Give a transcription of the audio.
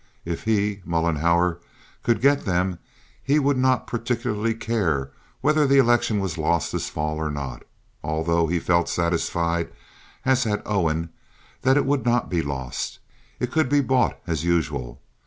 If he (Mollenhauer) could get them he would not particularly care whether the election was lost this fall or not, although he felt satisfied, as had Owen, that it would not be lost. It could be bought, as usual.